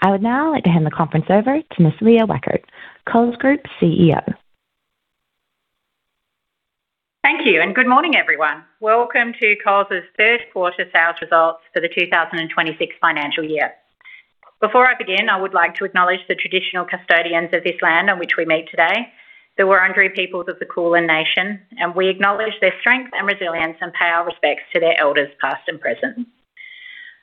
I would now like to hand the conference over to Ms. Leah Weckert, Coles Group CEO. Thank you and good morning, everyone. Welcome to Coles' third quarter sales results for the 2026 financial year. Before I begin, I would like to acknowledge the traditional custodians of this land on which we meet today. The Wurundjeri peoples of the Kulin Nation, we acknowledge their strength and resilience and pay our respects to their elders, past and present.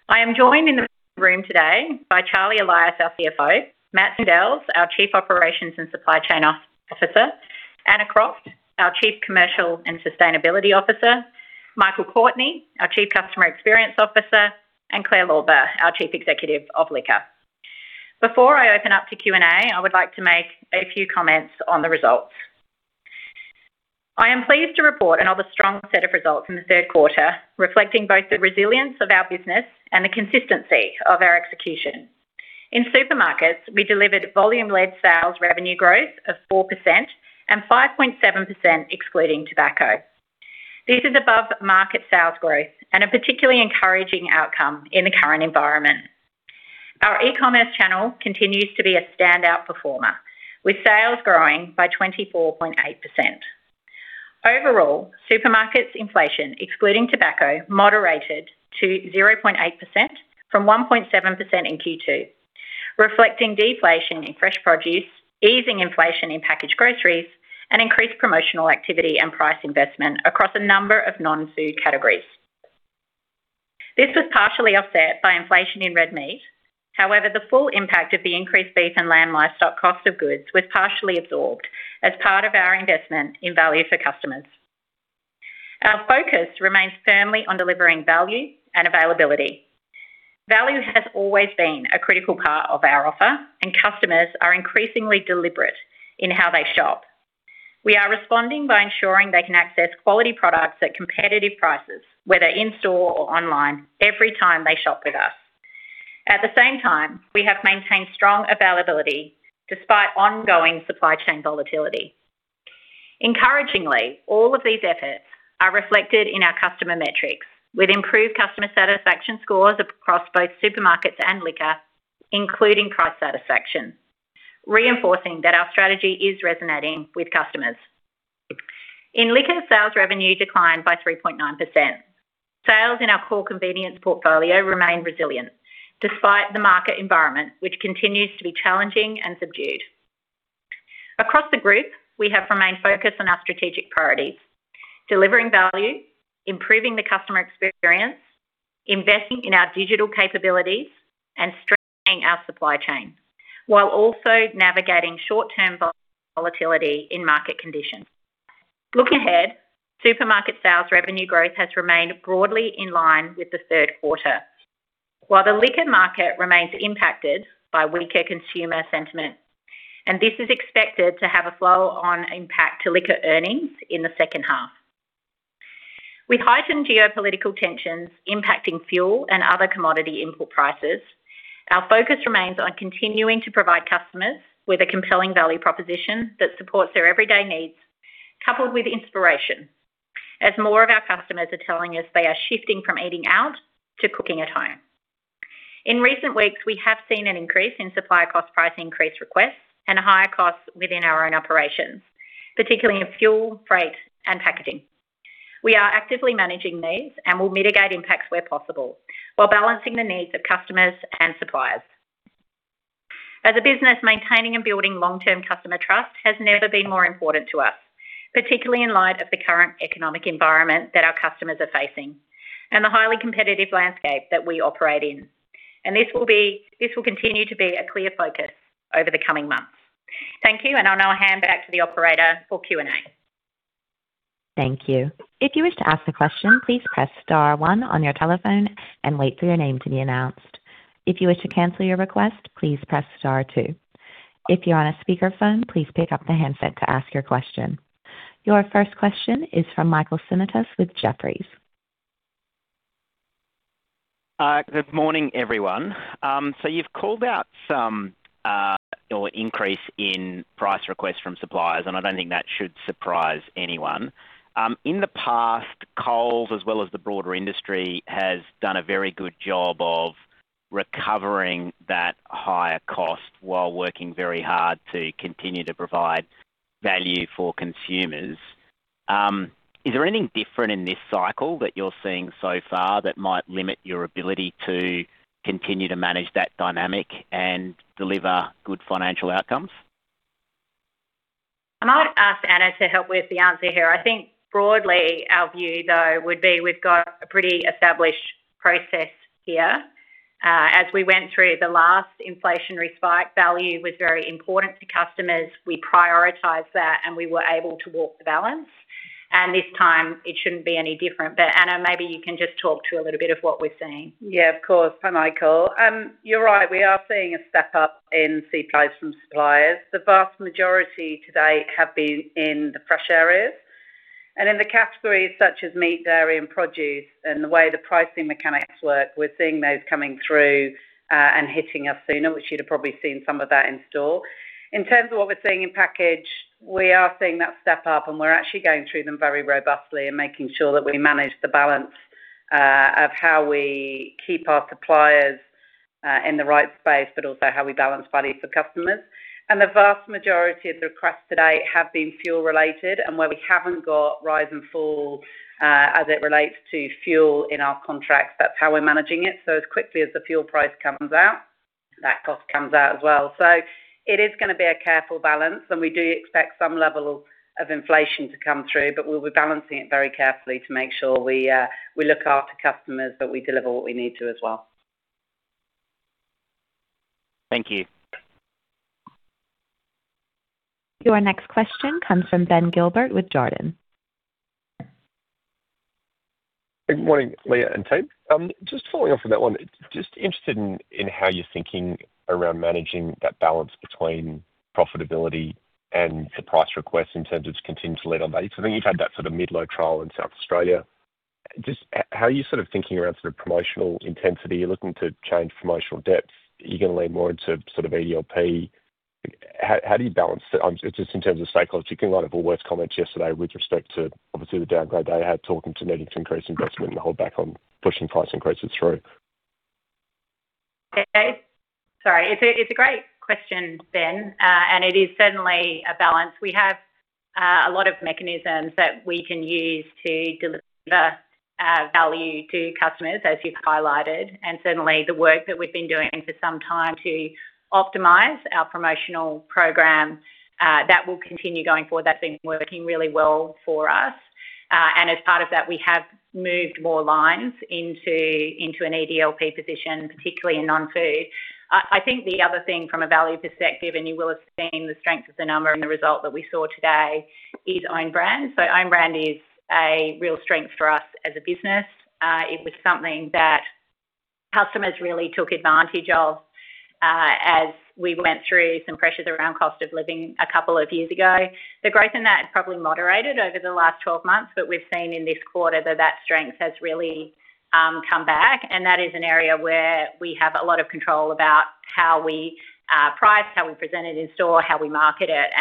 I am joined in the room today by Charlie Elias, our CFO, Matt Swindells, our Chief Operations and Supply Chain Officer, Anna Croft, our Chief Commercial and Sustainability Officer, Michael Courtney, our Chief Customer Experience Officer, and Claire Lauber, our Chief Executive of Liquor. Before I open up to Q&A, I would like to make a few comments on the results. I am pleased to report another strong set of results in the third quarter, reflecting both the resilience of our business and the consistency of our execution. In supermarkets, we delivered volume-led sales revenue growth of 4% and 5.7% excluding tobacco. This is above-market sales growth and a particularly encouraging outcome in the current environment. Our eCommerce channel continues to be a standout performer, with sales growing by 24.8%. Overall, supermarkets inflation, excluding tobacco, moderated to 0.8% from 1.7% in Q2, reflecting deflation in fresh produce, easing inflation in packaged groceries, and increased promotional activity and price investment across a number of non-food categories. This was partially offset by inflation in red meat. However, the full impact of the increased beef and lamb livestock cost of goods was partially absorbed as part of our investment in value for customers. Our focus remains firmly on delivering value and availability. Value has always been a critical part of our offer, and customers are increasingly deliberate in how they shop. We are responding by ensuring they can access quality products at competitive prices, whether in-store or online, every time they shop with us. At the same time, we have maintained strong availability despite ongoing supply chain volatility. Encouragingly, all of these efforts are reflected in our customer metrics, with improved customer satisfaction scores across both supermarkets and liquor, including price satisfaction, reinforcing that our strategy is resonating with customers. In liquor, sales revenue declined by 3.9%. Sales in our core convenience portfolio remain resilient, despite the market environment, which continues to be challenging and subdued. Across the group, we have remained focused on our strategic priorities: delivering value, improving the customer experience, investing in our digital capabilities, and strengthening our supply chain, while also navigating short-term volatility in market conditions. Looking ahead, supermarket sales revenue growth has remained broadly in line with the third quarter, while the liquor market remains impacted by weaker consumer sentiment, and this is expected to have a flow-on impact to liquor earnings in the second half. With heightened geopolitical tensions impacting fuel and other commodity import prices, our focus remains on continuing to provide customers with a compelling value proposition that supports their everyday needs, coupled with inspiration, as more of our customers are telling us they are shifting from eating out to cooking at home. In recent weeks, we have seen an increase in supplier cost price increase requests and higher costs within our own operations, particularly in fuel, freight, and packaging. We are actively managing these and will mitigate impacts where possible while balancing the needs of customers and suppliers. As a business, maintaining and building long-term customer trust has never been more important to us, particularly in light of the current economic environment that our customers are facing and the highly competitive landscape that we operate in. This will continue to be a clear focus over the coming months. Thank you, and I'll now hand back to the operator for Q&A. Thank you. Your first question is from Michael Simotas with Jefferies. Good morning, everyone. You've called out some, or increase in price requests from suppliers, and I don't think that should surprise anyone. In the past, Coles, as well as the broader industry, has done a very good job of recovering that higher cost while working very hard to continue to provide value for consumers. Is there anything different in this cycle that you're seeing so far that might limit your ability to continue to manage that dynamic and deliver good financial outcomes? I might ask Anna to help with the answer here. I think broadly our view, though, would be we've got a pretty established process here. As we went through the last inflationary spike, value was very important to customers. We prioritized that, and we were able to walk the balance. This time it shouldn't be any different. Anna, maybe you can just talk to a little bit of what we're seeing. Yeah, of course. Hi, Michael. You're right. We are seeing a step up in CPI from suppliers. The vast majority to date have been in the fresh areas and in the categories such as meat, dairy, and produce, and the way the pricing mechanics work, we're seeing those coming through and hitting us sooner, which you'd have probably seen some of that in store. In terms of what we're seeing in packaged, we are seeing that step up, and we're actually going through them very robustly and making sure that we manage the balance Of how we keep our suppliers in the right space, but also how we balance value for customers. The vast majority of the requests to date have been fuel-related, and where we haven't got rise and fall as it relates to fuel in our contracts, that's how we're managing it. As quickly as the fuel price comes out, that cost comes out as well. It is gonna be a careful balance, and we do expect some level of inflation to come through, but we'll be balancing it very carefully to make sure we look after customers, but we deliver what we need to as well. Thank you. Your next question comes from Ben Gilbert with Jarden. Good morning, Leah and team. Just following up on that one. Just interested in how you're thinking around managing that balance between profitability and the price request in terms of continuing to lead on value. You've had that sort of mid-low trial in South Australia. Just how are you sort of thinking around sort of promotional intensity? You're looking to change promotional depth. Are you gonna lean more into sort of EDLP? How do you balance the just in terms of psychologically, in light of Woolworths' comments yesterday with respect to obviously the downgrade they had talking to needing to increase investment and hold back on pushing price increases through? Okay. Sorry. It's a great question, Ben. It is certainly a balance. We have a lot of mechanisms that we can use to deliver value to customers, as you've highlighted. Certainly, the work that we've been doing for some time to optimize our promotional program, that will continue going forward. That's been working really well for us. As part of that, we have moved more lines into an EDLP position, particularly in non-food. I think the other thing from a value perspective, and you will have seen the strength of the number and the result that we saw today, is Own Brand. Own Brand is a real strength for us as a business. It was something that customers really took advantage of, as we went through some pressures around cost of living a couple of years ago. The growth in that has probably moderated over the last 12 months, but we've seen in this quarter that strength has really come back. That is an area where we have a lot of control about how we price, how we present it in store, how we market it.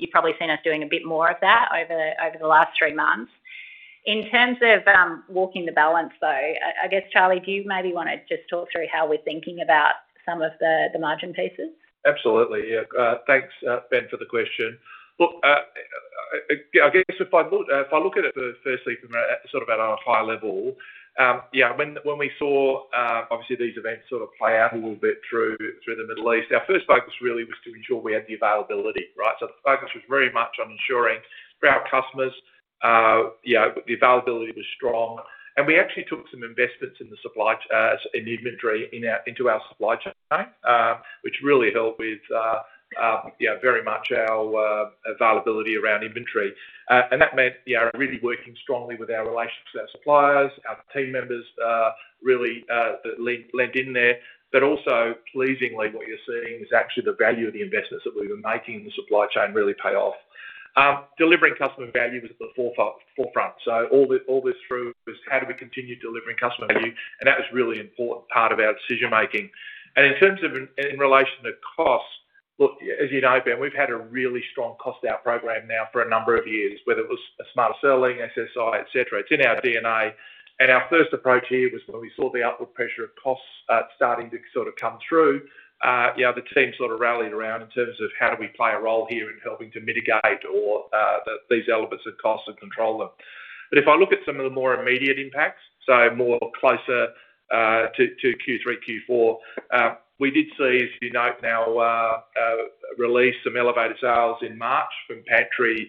You've probably seen us doing a bit more of that over the last three months. In terms of walking the balance, though, I guess, Charlie, do you maybe wanna just talk through how we're thinking about some of the margin pieces? Absolutely. Yeah. Thanks, Ben, for the question. Look, I guess if I look, if I look at it firstly from a, sort of at a high level, yeah, when we saw, obviously these events sort of play out a little bit through the Middle East, our first focus really was to ensure we had the availability, right? The focus was very much on ensuring for our customers, you know, the availability was strong. We actually took some investments in inventory in our, into our supply chain, which really helped with, you know, very much our, availability around inventory. That meant, you know, really working strongly with our relations to our suppliers. Our team members, really, lent in there. Also, pleasingly, what you're seeing is actually the value of the investments that we've been making in the supply chain really pay off. Delivering customer value was at the forefront. All this through was how do we continue delivering customer value, and that was a really important part of our decision-making. In terms of in relation to cost, look, as you know, Ben, we've had a really strong cost out program now for a number of years, whether it was Smarter Selling, SSI, et cetera. It's in our DNA. Our first approach here was when we saw the upward pressure of costs starting to sort of come through, you know, the team sort of rallied around in terms of how do we play a role here in helping to mitigate or these elements of cost and control them. If I look at some of the more immediate impacts, so more closer to Q3, Q4, we did see, as you note now, release some elevated sales in March from pantry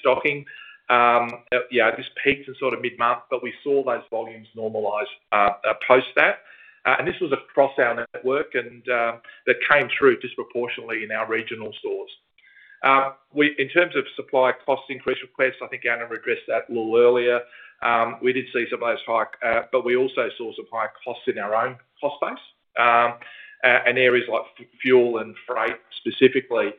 stocking. This peaked in sort of mid-month, but we saw those volumes normalize post that. This was across our network and that came through disproportionately in our regional stores. In terms of supply cost increase requests, I think Anna addressed that a little earlier. We did see some of those hike, but we also saw some higher costs in our own cost base, in areas like fuel and freight specifically.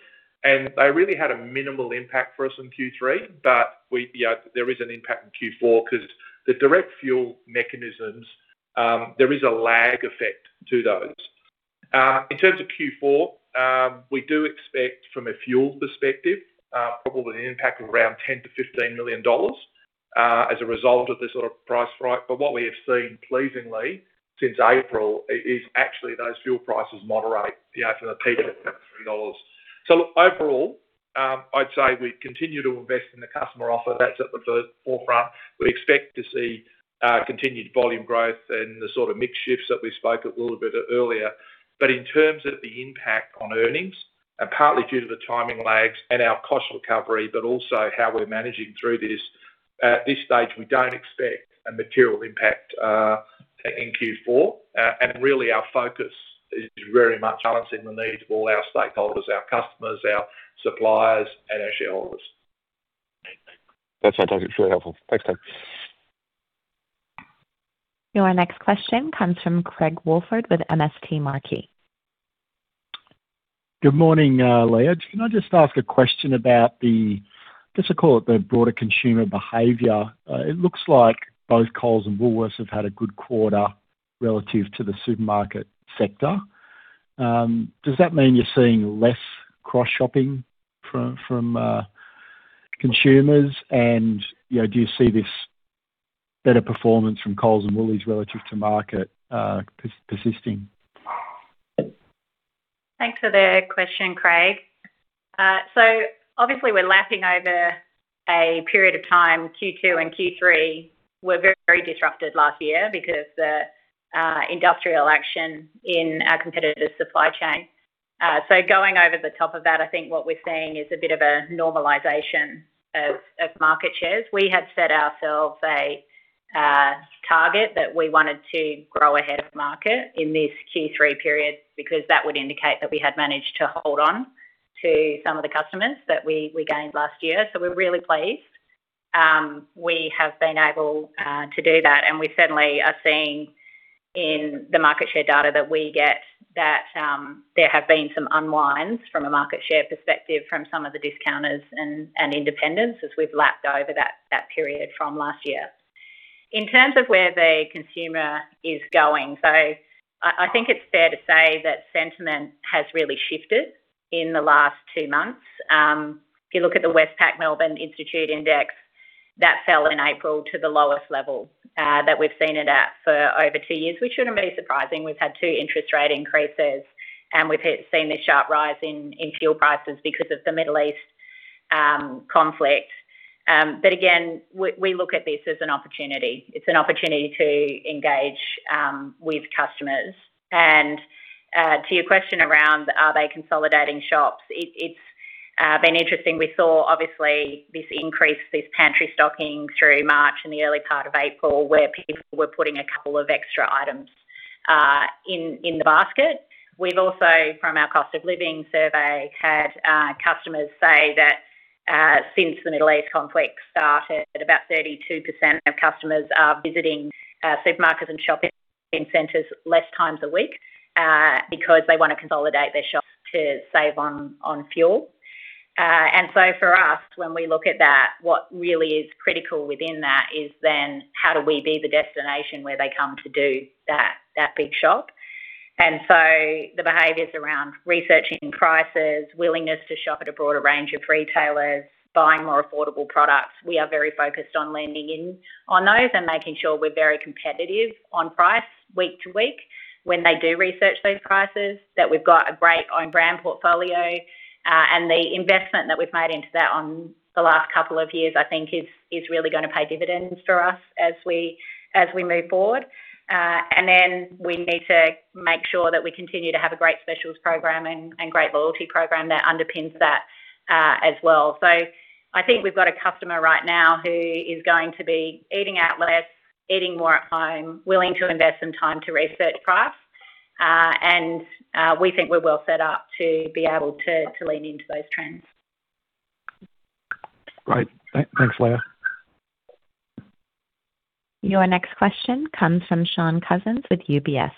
They really had a minimal impact for us in Q3, but we, you know, there is an impact in Q4 'cause the direct fuel mechanisms, there is a lag effect to those. In terms of Q4, we do expect from a fuel perspective, probably an impact of around 10 million-15 million dollars, as a result of this sort of price hike. What we have seen pleasingly since April is actually those fuel prices moderate, you know, from the peak of AUD 13. Look, overall, I'd say we continue to invest in the customer offer. That's at the forefront. We expect to see continued volume growth and the sort of mix shifts that we spoke a little bit earlier. In terms of the impact on earnings, and partly due to the timing lags and our cost recovery, but also how we're managing through this, at this stage, we don't expect a material impact in Q4. Really our focus is very much balancing the needs of all our stakeholders, our customers, our suppliers, and our shareholders. That's all, Doug. It's really helpful. Thanks, Doug. Your next question comes from Craig Woolford with MST Marquee. Good morning, Leah. Can I just ask a question about the, I guess I'd call it the broader consumer behavior? It looks like both Coles and Woolworths have had a good quarter relative to the supermarket sector. Does that mean you're seeing less cross-shopping from Consumers and, you know, do you see this better performance from Coles and Woolworths relative to market persisting? Thanks for the question, Craig. Obviously, we're lapping over a period of time, Q2 and Q3 were very disrupted last year because the industrial action in our competitive supply chain. Going over the top of that, I think what we're seeing is a bit of a normalization of market shares. We had set ourselves a target that we wanted to grow ahead of market in this Q3 period because that would indicate that we had managed to hold on to some of the customers that we gained last year. We're really pleased. We have been able to do that, and we certainly are seeing in the market share data that we get that there have been some unwinds from a market share perspective from some of the discounters and independents as we've lapped over that period from last year. In terms of where the consumer is going, I think it's fair to say that sentiment has really shifted in the last two months. If you look at the Westpac-Melbourne Institute index, that fell in April to the lowest level that we've seen it at for over two years, which shouldn't be surprising. We've had two interest rate increases, and we've seen the sharp rise in fuel prices because of the Middle East conflict. Again, we look at this as an opportunity. It's an opportunity to engage with customers. To your question around are they consolidating shops, it's been interesting. We saw obviously this increase, this pantry stocking through March and the early part of April, where people were putting a couple of extra items in the basket. We've also, from our cost of living survey, had customers say that since the Middle East conflict started, about 32% of customers are visiting supermarkets and shopping centers less times a week because they wanna consolidate their shops to save on fuel. For us, when we look at that, what really is critical within that is then how do we be the destination where they come to do that big shop. The behaviors around researching prices, willingness to shop at a broader range of retailers, buying more affordable products, we are very focused on leaning in on those and making sure we're very competitive on price week to week when they do research those prices, that we've got a great Own Brand portfolio. The investment that we've made into that on the last couple of years, I think is going to really pay dividends for us as we move forward. We need to make sure that we continue to have a great specials program and great loyalty program that underpins that as well. I think we've got a customer right now who is going to be eating out less, eating more at home, willing to invest some time to research price, and we think we're well set up to be able to lean into those trends. Great. Thanks, Leah. Your next question comes from Shaun Cousins with UBS.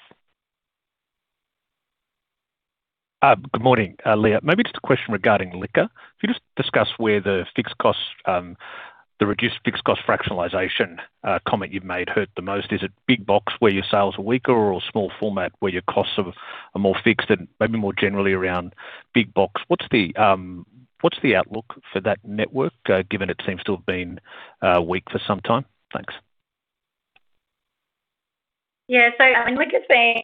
Good morning, Leah. Maybe just a question regarding liquor. Could you just discuss where the fixed cost, the reduced fixed cost fractionalization, comment you've made hurt the most? Is it big box where your sales are weaker or small format where your costs are more fixed? Maybe more generally around big box, what's the outlook for that network, given it seems to have been weak for some time? Thanks. I mean, liquor's been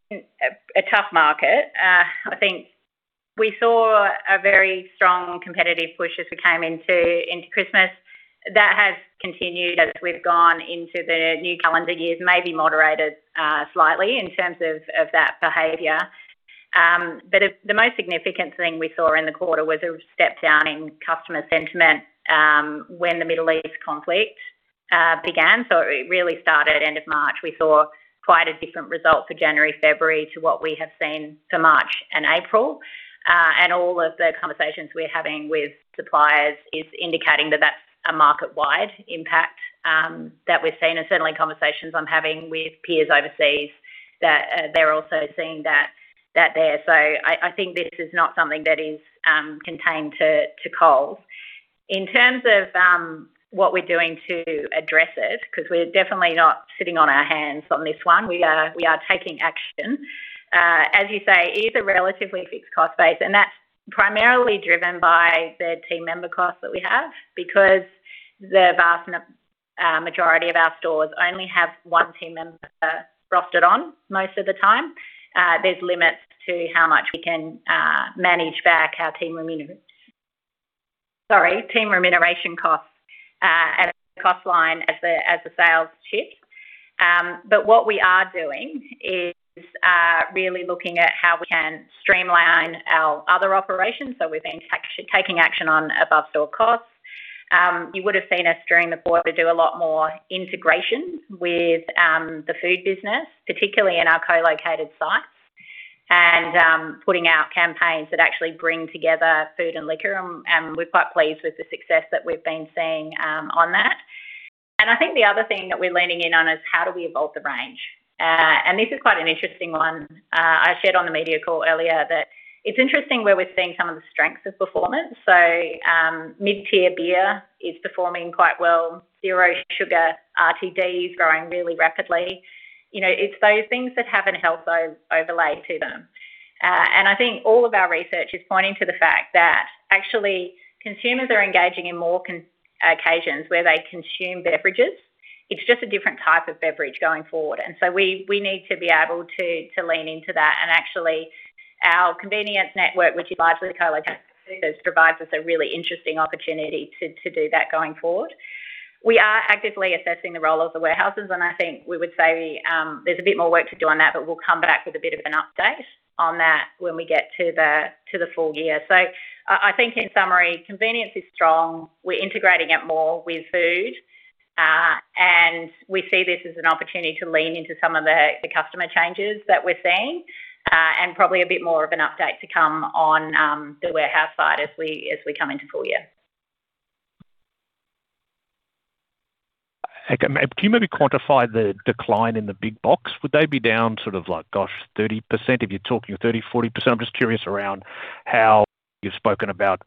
a tough market. I think we saw a very strong competitive push as we came into Christmas. That has continued as we've gone into the new calendar year, maybe moderated slightly in terms of that behavior. The most significant thing we saw in the quarter was a step down in customer sentiment when the Middle East conflict began. It really started end of March. We saw quite a different result for January, February to what we have seen for March and April. All of the conversations we're having with suppliers is indicating that that's a market-wide impact that we've seen, and certainly conversations I'm having with peers overseas that they're also seeing that there. I think this is not something that is contained to Coles. In terms of what we're doing to address it, because we're definitely not sitting on our hands on this one, we are taking action. As you say, it is a relatively fixed cost base, and that's primarily driven by the team member costs that we have because the vast majority of our stores only have one team member rostered on most of the time. There's limits to how much we can manage back our team remuneration costs at a cost line as the sales tip. What we are doing is really looking at how we can streamline our other operations, so we've been taking action on above-store costs. You would have seen us during the quarter do a lot more integration with the food business, particularly in our co-located sites, and putting out campaigns that actually bring together food and liquor, and we're quite pleased with the success that we've been seeing on that. I think the other thing that we're leaning in on is how do we evolve the range. This is quite an interesting one. I shared on the media call earlier that it's interesting where we're seeing some of the strengths of performance. Mid-tier beer is performing quite well. Zero-sugar RTD is growing really rapidly. You know, it's those things that have a health overlay to them. I think all of our research is pointing to the fact that actually consumers are engaging in more occasions where they consume beverages. It's just a different type of beverage going forward. We need to be able to lean into that. Actually, our convenience network, which provides retail locations, provides us a really interesting opportunity to do that going forward. We are actively assessing the role of the warehouses, and I think we would say, there's a bit more work to do on that, but we'll come back with a bit of an update on that when we get to the full year. I think in summary, convenience is strong. We're integrating it more with food, and we see this as an opportunity to lean into some of the customer changes that we're seeing, and probably a bit more of an update to come on the warehouse side as we come into full year. Can you maybe quantify the decline in the big box? Would they be down sort of like, gosh, 30%? If you're talking 30%, 40%, I'm just curious around how you've spoken about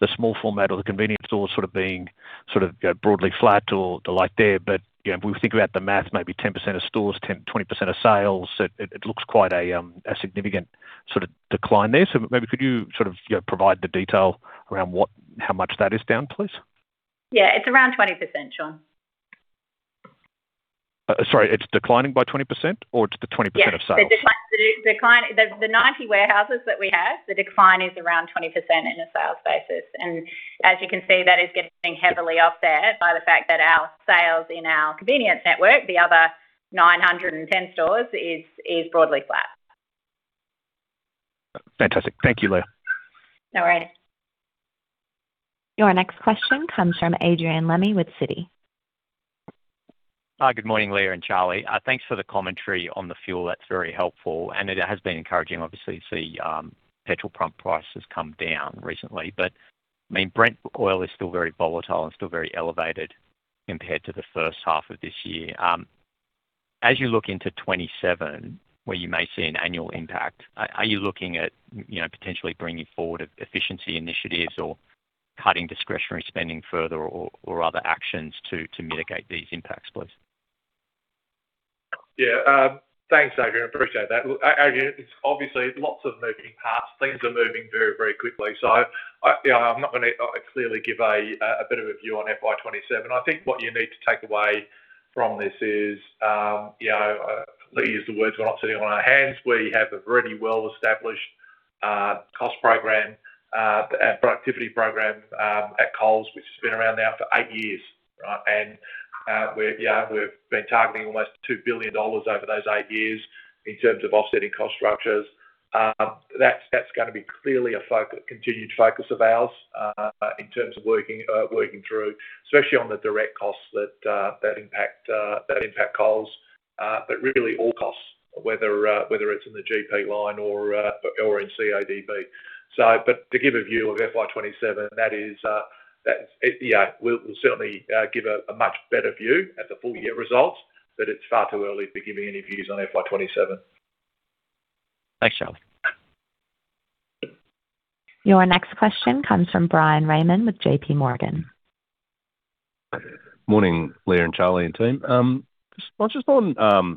the small format or the convenience stores sort of being sort of broadly flat or the like there. You know, if we think about the math, maybe 10% of stores, 10%, 20% of sales, it looks quite a significant sort of decline there. Maybe could you sort of, you know, provide the detail around how much that is down, please? Yeah. It's around 20%, Shaun. sorry, it's declining by 20% or it's the 20% of sales? The decline in the 90 warehouses that we have, the decline is around 20% in a sales basis. As you can see, that is getting heavily offset by the fact that our sales in our convenience network, the other 910 stores, is broadly flat. Fantastic. Thank you, Leah. No worries. Your next question comes from Adrian Lemme with Citi. Hi. Good morning, Leah and Charlie. Thanks for the commentary on the fuel. That's very helpful, and it has been encouraging obviously to see petrol pump prices come down recently. I mean, Brent is still very volatile and still very elevated compared to the first half of this year. As you look into 2027, where you may see an annual impact, are you looking at, you know, potentially bringing forward efficiency initiatives or cutting discretionary spending further or other actions to mitigate these impacts, please? Yeah. Thanks, Adrian. Appreciate that. Look, Adrian, it's obviously lots of moving parts. Things are moving very, very quickly. I, you know, I'm not gonna clearly give a bit of a view on FY 2027. I think what you need to take away from this is, you know, Leah used the words, we're not sitting on our hands. We have a very well-established cost program, a productivity program at Coles, which has been around now for eight years, right? We've been targeting almost 2 billion dollars over those eight years in terms of offsetting cost structures. That's gonna be clearly a continued focus of ours in terms of working through, especially on the direct costs that impact Coles, but really all costs, whether it's in the GP line or in CODB. But to give a view of FY 2027, that is, that's, we'll certainly give a much better view at the full year results, but it's far too early for giving any views on FY 2027. Thanks, Charlie. Your next question comes from Bryan Raymond with JP Morgan. Morning, Leah and Charlie and team. Just on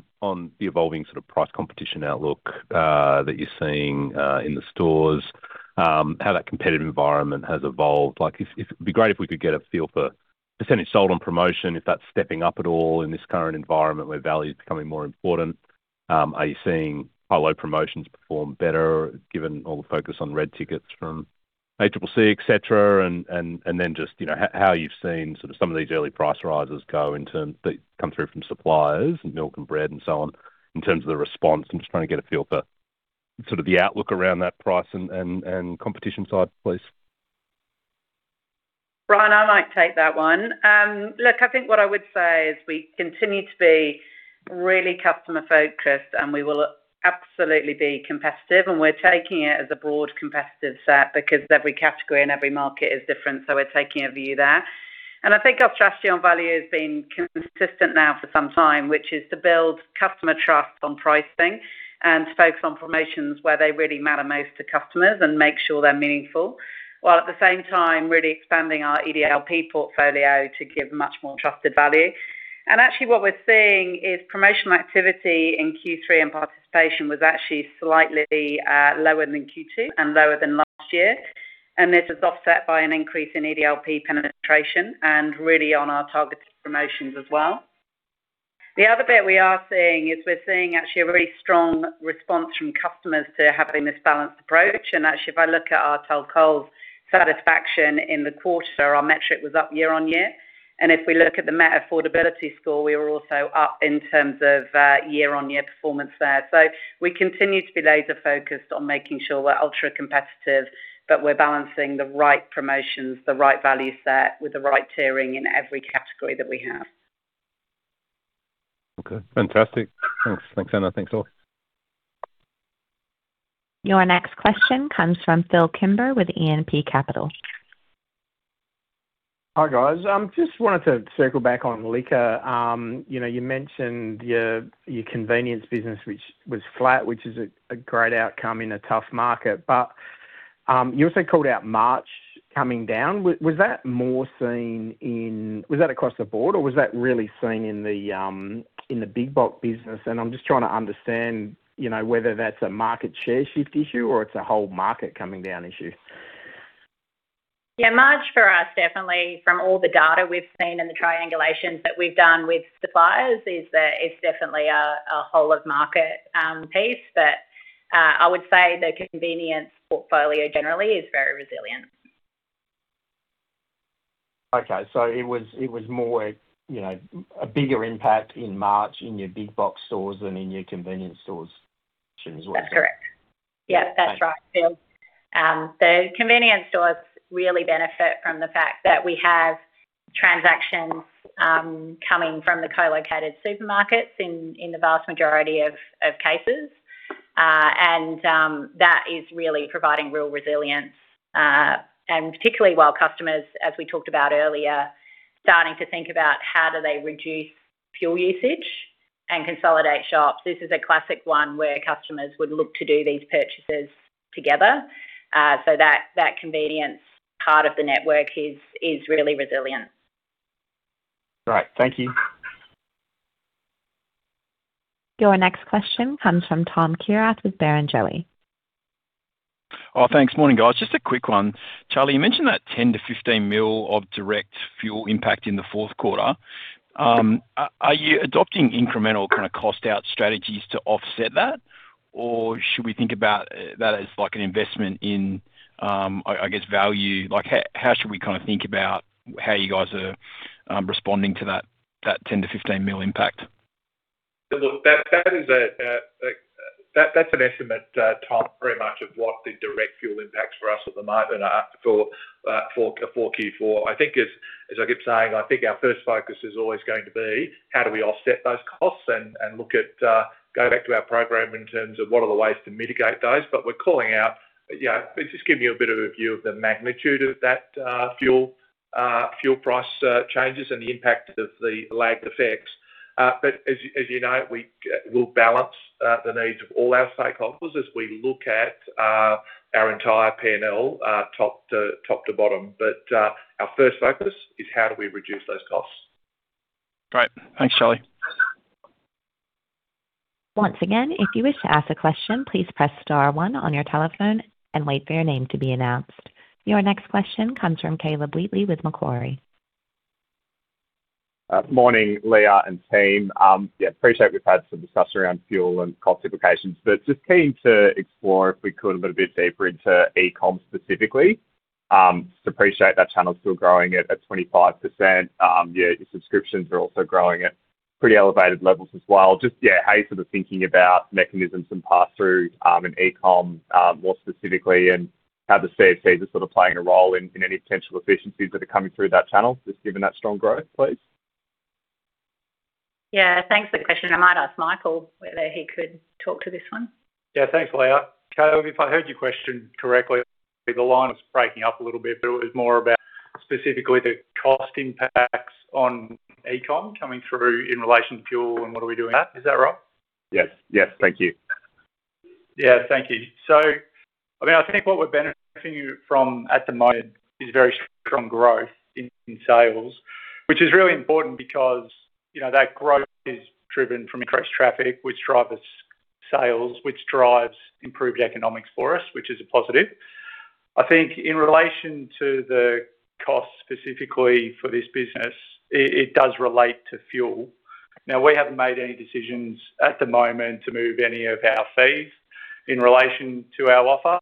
the evolving sort of price competition outlook that you're seeing in the stores, how that competitive environment has evolved. Like if it'd be great if we could get a feel for % sold on promotion, if that's stepping up at all in this current environment where value is becoming more important. Are you seeing high-low promotions perform better given all the focus on red tickets from ACCC, etc? Just, you know, how you've seen sort of some of these early price rises go in terms that come through from suppliers, milk and bread and so on, in terms of the response. I'm just trying to get a feel for sort of the outlook around that price and, and competition side, please. Bryan, I might take that one. Look, I think what I would say is we continue to be really customer-focused, we will absolutely be competitive, and we're taking it as a broad competitive set because every category and every market is different. We're taking a view there. I think our strategy on value has been consistent now for some time, which is to build customer trust on pricing and to focus on promotions where they really matter most to customers and make sure they're meaningful, while at the same time really expanding our EDLP portfolio to give much more trusted value. Actually what we're seeing is promotional activity in Q3 and participation was actually slightly lower than Q2 and lower than last year. This is offset by an increase in EDLP penetration and really on our targeted promotions as well. The other bit we're seeing actually a really strong response from customers to having this balanced approach. Actually, if I look at our Tell Coles satisfaction in the quarter, our metric was up year-on-year. If we look at the net affordability score, we were also up in terms of year-on-year performance there. We continue to be laser-focused on making sure we're ultra-competitive, we're balancing the right promotions, the right value set with the right tiering in every category that we have. Okay. Fantastic. Thanks. Thanks, Anna. Thanks, all. Your next question comes from Phillip Kimber with E&P Capital. Hi, guys. Just wanted to circle back on liquor. You know, you mentioned your convenience business, which was flat, which is a great outcome in a tough market. You also called out March coming down. Was that more seen in, or was that across the board, or was that really seen in the big box business? I'm just trying to understand, you know, whether that's a market share shift issue or it's a whole market coming down issue. Yeah, March for us, definitely from all the data we've seen and the triangulation that we've done with suppliers is that it's definitely a whole of market piece. I would say the convenience portfolio generally is very resilient. Okay. It was more, you know, a bigger impact in March in your big box stores than in your convenience stores as well? That's correct. Yeah. Okay. That's right, Phil. The convenience stores really benefit from the fact that we have transactions coming from the co-located supermarkets in the vast majority of cases. That is really providing real resilience, and particularly while customers, as we talked about earlier, starting to think about how do they reduce fuel usage and consolidate shops. This is a classic one where customers would look to do these purchases together. That convenience part of the network is really resilient. Great. Thank you. Your next question comes from Thomas Kierath with Barrenjoey. Thanks. Morning, guys. Just a quick one. Charlie, you mentioned that 10 million-15 million of direct fuel impact in the fourth quarter. Are you adopting incremental kind of cost out strategies to offset that, or should we think about that as like an investment in I guess value? How should we kind of think about how you guys are responding to that 10 million-15 million impact? Look, that is a that's an estimate, Tom, very much of what the direct fuel impacts for us at the moment are for Q4. I think as I keep saying, I think our first focus is always going to be how do we offset those costs and look at go back to our program in terms of what are the ways to mitigate those. We're calling out, it's just giving you a bit of a view of the magnitude of that fuel price, changes and the impact of the lagged effects. As you know, we'll balance the needs of all our stakeholders as we look at our entire P&L top to bottom. Our first focus is how do we reduce those costs. Great. Thanks, Charlie. Your next question comes from Caleb Wheatley with Macquarie. Morning, Leah and team. Yeah, appreciate we've had some discussion around fuel and cost implications, but just keen to explore, if we could, a little bit deeper into E-com specifically. Just appreciate that channel's still growing at 25%. Yeah, your subscriptions are also growing at pretty elevated levels as well. Just, yeah, how you're sort of thinking about mechanisms and pass through in E-com more specifically, and how the CFCs are sort of playing a role in any potential efficiencies that are coming through that channel, just given that strong growth, please. Yeah. Thanks for the question. I might ask Michael whether he could talk to this one. Thanks, Leah. Caleb, if I heard your question correctly, the line was breaking up a little bit, but it was more about specifically the cost impacts on e-com coming through in relation to fuel and what are we doing. Is that right? Yes. Yes. Thank you. Yeah. Thank you. I mean, I think what we're benefiting from at the moment is very strong growth in sales, which is really important because, you know, that growth is driven from increased traffic, which drives sales, which drives improved economics for us, which is a positive. I think in relation to the cost specifically for this business, it does relate to fuel. We haven't made any decisions at the moment to move any of our fees in relation to our offer.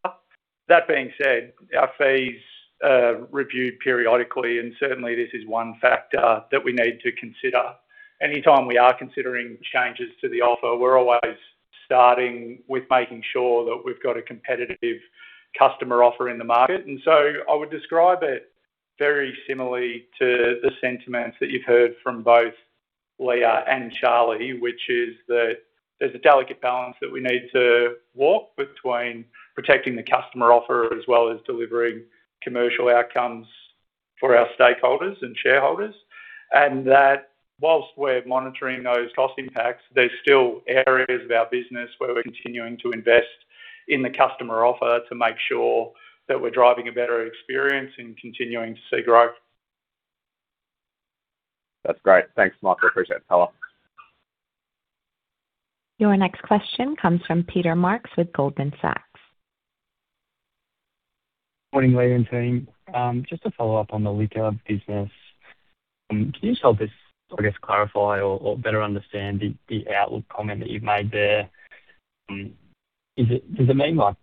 That being said, our fees are reviewed periodically, and certainly, this is one factor that we need to consider. Anytime we are considering changes to the offer, we're always starting with making sure that we've got a competitive customer offer in the market. I would describe it very similarly to the sentiments that you've heard from both Leah and Charlie, which is that there's a delicate balance that we need to walk between protecting the customer offer as well as delivering commercial outcomes for our stakeholders and shareholders. Whilst we're monitoring those cost impacts, there's still areas of our business where we're continuing to invest in the customer offer to make sure that we're driving a better experience and continuing to see growth. That's great. Thanks, Michael. Appreciate the call. Your next question comes from Peter Marks with Goldman Sachs. Morning, Leah and team. Just to follow up on the liquor business, can you just help us, I guess, clarify or better understand the outlook comment that you've made there? Does it mean like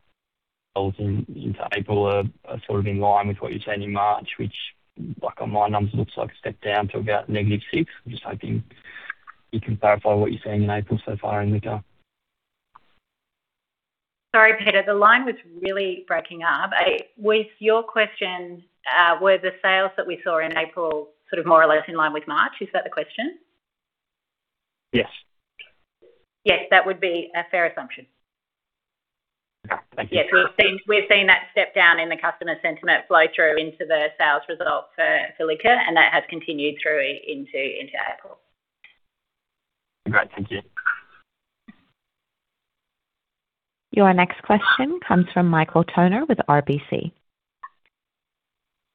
sales into April are sort of in line with what you've seen in March, which like on my numbers looks like a step down to about negative 6%? I'm just hoping you can clarify what you're seeing in April so far in liquor. Sorry, Peter. The line was really breaking up. Was your question, were the sales that we saw in April sort of more or less in line with March? Is that the question? Yes. Yes. That would be a fair assumption. Okay. Thank you. Yeah. We've seen that step down in the customer sentiment flow through into the sales results for liquor, and that has continued through into April. Great. Thank you. Your next question comes from Michael Toner with RBC.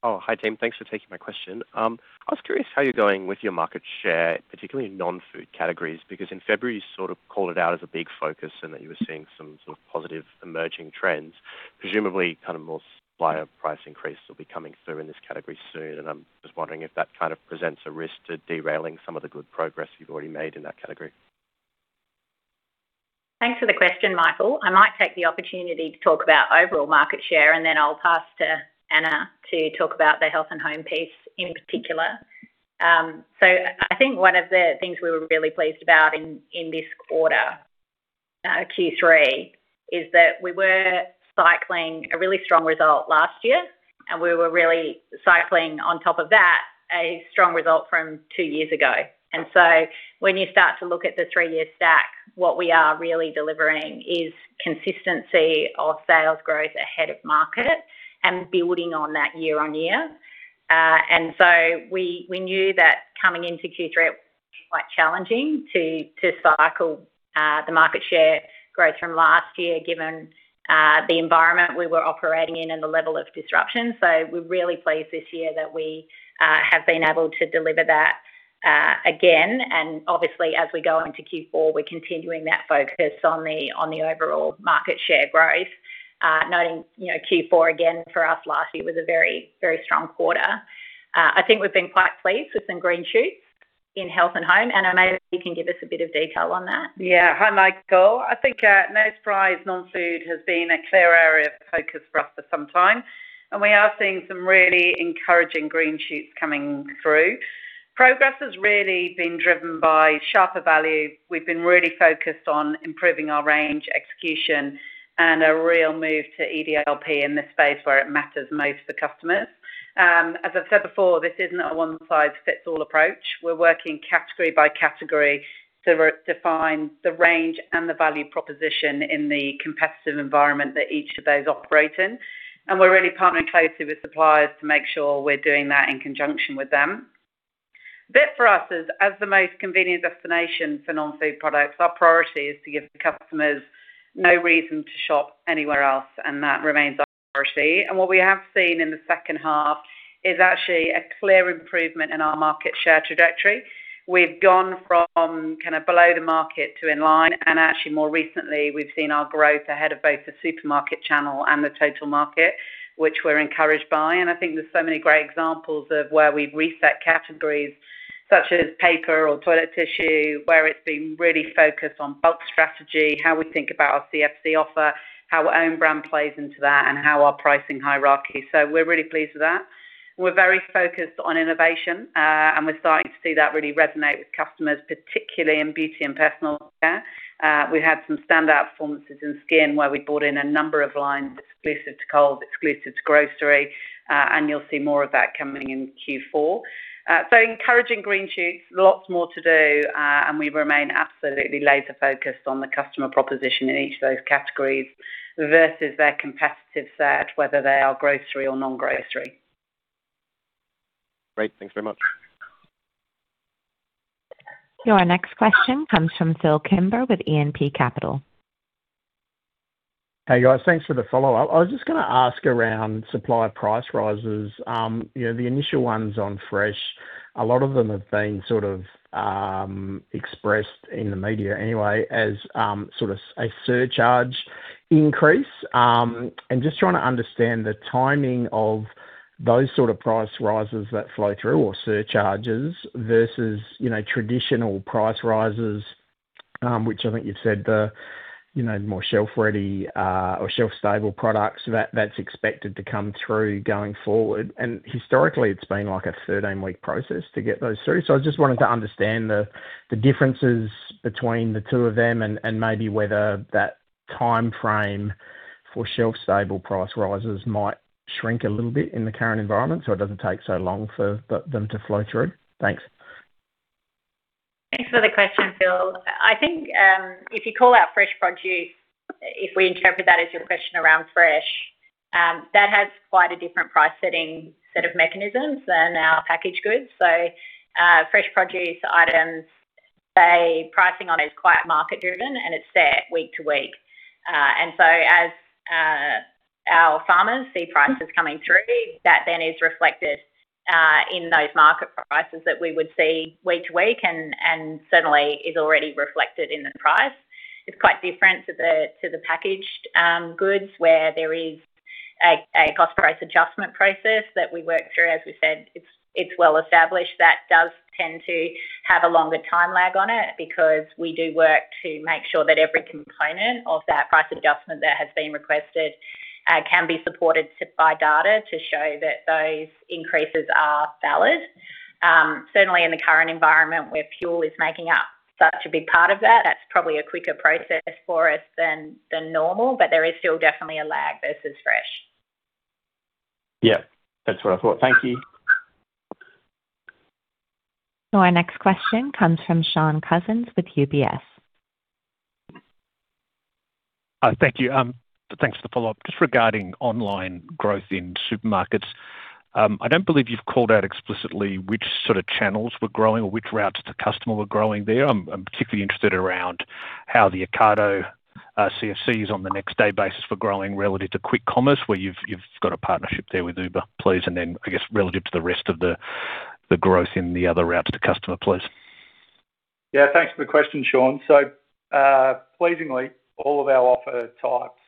Oh, hi, team. Thanks for taking my question. I was curious how you're going with your market share, particularly non-food categories, because in February you sort of called it out as a big focus and that you were seeing some sort of positive emerging trends, presumably kind of more supplier price increases will be coming through in this category soon. I'm just wondering if that kind of presents a risk to derailing some of the good progress you've already made in that category? Thanks for the question, Michael. I might take the opportunity to talk about overall market share, then I'll pass to Anna to talk about the health and home piece in particular. I think one of the things we were really pleased about in this quarter, Q3, is that we were cycling a really strong result last year, and we were really cycling on top of that, a strong result from two years ago. So when you start to look at the three-year stack, what we are really delivering is consistency of sales growth ahead of market and building on that year-on-year. So we knew that coming into Q3 it would be quite challenging to cycle the market share growth from last year, given the environment we were operating in and the level of disruption. We're really pleased this year that we have been able to deliver that again. Obviously, as we go into Q4, we're continuing that focus on the overall market share growth. Noting, you know, Q4 again for us last year was a very, very strong quarter. I think we've been quite pleased with some green shoots in health and home. Anna, maybe you can give us a bit of detail on that. Yeah. Hi, Michael. I think, no surprise, non-food has been a clear area of focus for us for some time, and we are seeing some really encouraging green shoots coming through. Progress has really been driven by sharper value. We've been really focused on improving our range execution and a real move to EDLP in the space where it matters most to customers. As I've said before, this is not a one size fits all approach. We're working category by category to redefine the range and the value proposition in the competitive environment that each of those operate in. We're really partnering closely with suppliers to make sure we're doing that in conjunction with them. Bit for us is, as the most convenient destination for non-food products, our priority is to give the customers no reason to shop anywhere else, and that remains our priority. What we have seen in the second half is actually a clear improvement in our market share trajectory. We've gone from kind of below the market to in line, and actually more recently, we've seen our growth ahead of both the supermarket channel and the total market, which we're encouraged by. I think there's so many great examples of where we've reset categories such as paper or toilet tissue, where it's been really focused on bulk strategy, how we think about our CFC offer, how our Own Brand plays into that, and how our pricing hierarchy. We're really pleased with that. We're very focused on innovation, and we're starting to see that really resonate with customers, particularly in beauty and personal care. We had some standout performances in skin, where we brought in a number of lines exclusive to Coles, exclusive to grocery, and you'll see more of that coming in Q4. Encouraging green shoots, lots more to do, and we remain absolutely laser-focused on the customer proposition in each of those categories versus their competitive set, whether they are grocery or non-grocery. Great. Thanks very much. Your next question comes from Phillip Kimber with E&P Capital. Hey, guys. Thanks for the follow-up. I was just gonna ask around supplier price rises. You know, the initial ones on fresh, a lot of them have been sort of expressed in the media anyway as sort of a surcharge increase. Just trying to understand the timing of those sort of price rises that flow through, or surcharges versus, you know, traditional price rises, which I think you've said are, you know, more shelf-ready or shelf-stable products that's expected to come through going forward. Historically, it's been like a 13-week process to get those through. I just wanted to understand the differences between the two of them and maybe whether that timeframe for shelf-stable price rises might shrink a little bit in the current environment, so it doesn't take so long for them to flow through. Thanks. Thanks for the question, Phil. I think, if you call out fresh produce, if we interpret that as your question around fresh, that has quite a different price setting set of mechanisms than our packaged goods. Fresh produce items, say, pricing on is quite market-driven, and it's set week to week. As our farmers see prices coming through, that then is reflected in those market prices that we would see week to week and certainly is already reflected in the price. It's quite different to the packaged goods where there is a cost price adjustment process that we work through. As we said, it's well established. That does tend to have a longer time lag on it because we do work to make sure that every component of that price adjustment that has been requested, can be supported by data to show that those increases are valid. Certainly in the current environment where fuel is making up such a big part of that's probably a quicker process for us than normal, but there is still definitely a lag versus fresh. Yeah, that's what I thought. Thank you. Our next question comes from Shaun Cousins with UBS. Thank you. Thanks for the follow-up. Just regarding online growth in supermarkets, I don't believe you've called out explicitly which sort of channels were growing or which routes to customer were growing there. I'm particularly interested around how the Ocado CFCs on the next day basis were growing relative to quick commerce, where you've got a partnership there with Uber, please. I guess relative to the rest of the growth in the other route to the customer, please. Yeah, thanks for the question, Shaun. Pleasingly, all of our offer types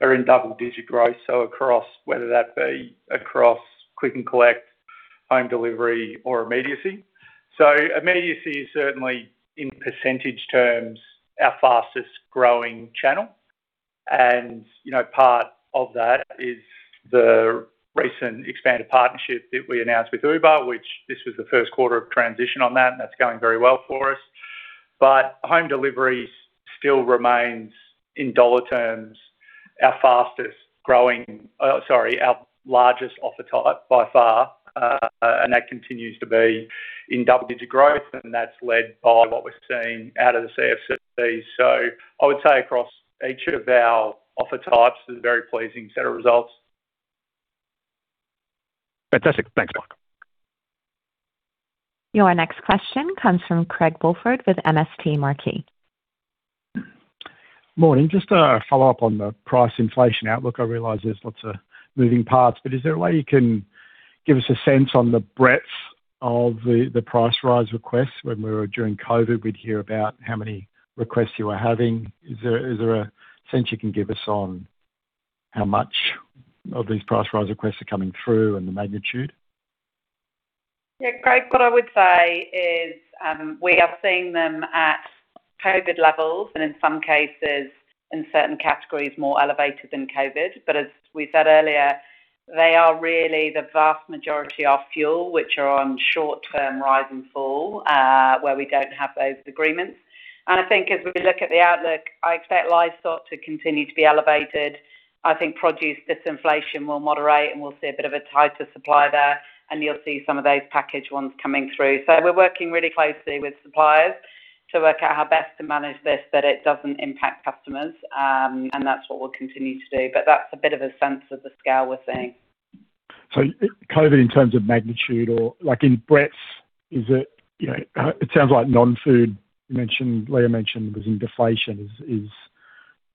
are in double-digit growth, so across whether that be across click and collect, home delivery, or immediacy. Immediacy is certainly, in percentage terms, our fastest-growing channel. You know, part of that is the recent expanded partnership that we announced with Uber, which this was the first quarter of transition on that, and that's going very well for us. Home delivery still remains, in dollar terms, our fastest-growing. Oh, sorry, our largest offer type by far. That continues to be in double-digit growth, and that's led by what we're seeing out of the CFC. I would say across each of our offer types, it's a very pleasing set of results. Fantastic. Thanks, Michael Courtney. Your next question comes from Craig Woolford with MST Marquee. Morning. Just a follow-up on the price inflation outlook. I realize there's lots of moving parts, but is there a way you can give us a sense on the breadth of the price rise requests? When we were during COVID, we'd hear about how many requests you were having. Is there a sense you can give us on how much of these price rise requests are coming through and the magnitude? Yeah, Craig, what I would say is, we are seeing them at COVID levels, and in some cases, in certain categories, more elevated than COVID. As we said earlier, they are really the vast majority are fuel, which are on short-term rise and fall, where we don't have those agreements. I think as we look at the outlook, I expect livestock to continue to be elevated. I think produce disinflation will moderate, and we'll see a bit of a tighter supply there, and you'll see some of those packaged ones coming through. We're working really closely with suppliers to work out how best to manage this, that it doesn't impact customers, and that's what we'll continue to do. That's a bit of a sense of the scale we're seeing. COVID in terms of magnitude or like in breadth, is it, you know? It sounds like non-food, Leah mentioned was in deflation. Is, you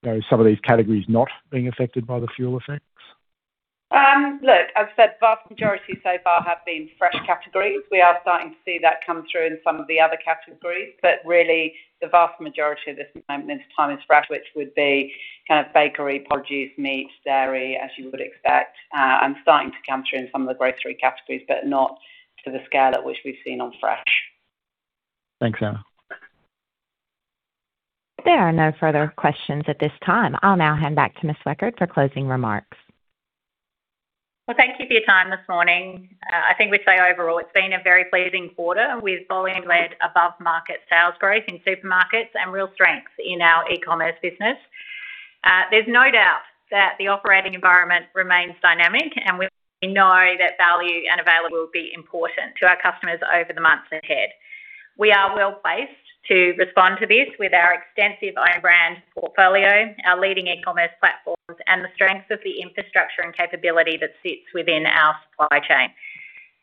know, some of these categories not being affected by the fuel effects? Look, as said, vast majority so far have been fresh categories. We are starting to see that come through in some of the other categories. Really, the vast majority of this at this point in time is fresh, which would be kind of bakery, produce, meat, dairy, as you would expect, and starting to come through in some of the grocery categories, but not to the scale at which we've seen on fresh. Thanks, Anna. There are no further questions at this time. I'll now hand back to Ms. Weckert for closing remarks. Thank you for your time this morning. I think we'd say overall, it's been a very pleasing quarter. We've volume-led above-market sales growth in supermarkets and real strength in our eCommerce business. There's no doubt that the operating environment remains dynamic, and we know that value and availability will be important to our customers over the months ahead. We are well-placed to respond to this with our extensive Own Brand portfolio, our leading eCommerce platforms, and the strength of the infrastructure and capability that sits within our supply chain.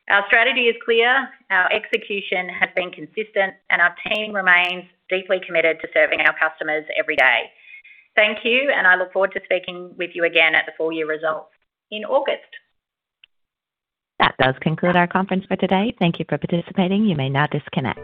Our strategy is clear, our execution has been consistent, and our team remains deeply committed to serving our customers every day. Thank you, and I look forward to speaking with you again at the full-year results in August. That does conclude our conference for today. Thank you for participating. You may now disconnect.